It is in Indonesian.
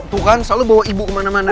tuh kan selalu bawa ibu kemana mana